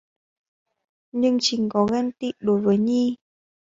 Nhưng trình có ghen tị đối với Nhi